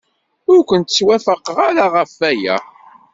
Ur kent-ttwafaqeɣ ara ɣef waya.